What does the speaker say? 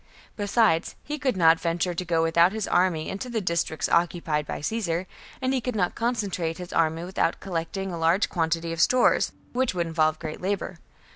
Besides, he could not venture to go without his army into the districts occupied by Caesar, and he could not concentrate his army without collecting a large quantity of stores, which would involve great labour.